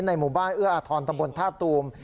หมู่บ้านเอื้ออาทรตำบลท่าตูม